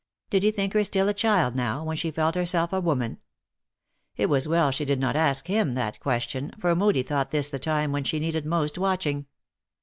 Did he think her still a child now, when she felt herself a woman ? It was well she did not ask him that question, for Moodie thought this the time when she needed most watching.